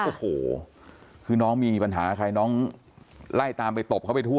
โอ้โหคือน้องมีปัญหาใครน้องไล่ตามไปตบเขาไปทั่ว